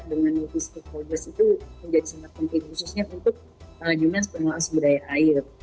dengan berbagai sukses itu menjadi sangat penting khususnya untuk penelan sebudaya air